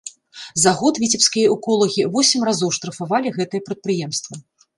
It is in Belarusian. За год віцебскія эколагі восем разоў штрафавалі гэтае прадпрыемства.